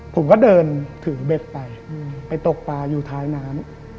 ผมก็เดินถือเบ็ดไปไปตกปลาอยู่ท้ายน้ำ